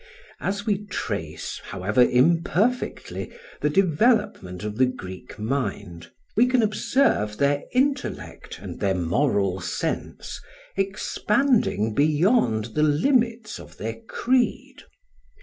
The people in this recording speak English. As we trace, however imperfectly, the development of the Greek mind, we can observe their intellect and their moral sense expanding beyond the limits of their creed.